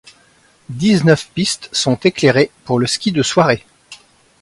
Dix-neuf pistes sont éclairées pour le ski de soirée.